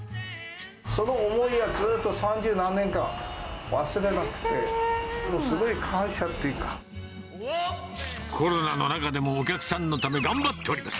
その思い出がずっと三十何年間、忘れられなくて、すごい感謝コロナの中でもお客さんのため、頑張っております。